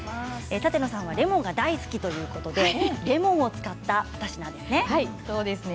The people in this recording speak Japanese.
舘野さんはレモンが大好きということでレモンを使った２品ですね。